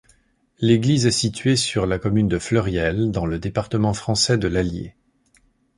L'église est située sur la commune de Fleuriel, dans le département français de l'Allier.